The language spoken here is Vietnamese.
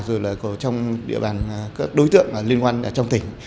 rồi là có trong địa bàn các đối tượng liên quan trong tỉnh